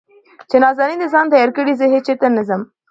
چې نازنين د ځان تيار کړي زه هېچېرې نه ځم .